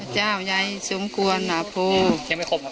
ข้าพเจ้านางสาวสุภัณฑ์หลาโภ